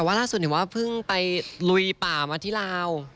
แต่ว่าล่าสุดนี่ว่าเพิ่งไปลุยป่ามาที่ลาว